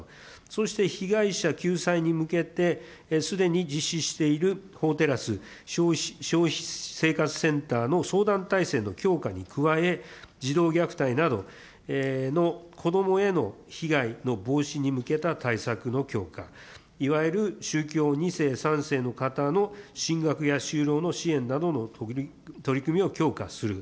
そして被害者救済に向けて、すでに実施している法テラス・消費生活センターの相談体制の強化に加え、児童虐待などの子どもへの被害の防止に向けた対策の強化、いわゆる宗教２世、３世の方の進学や就労の支援などの取り組みを強化する。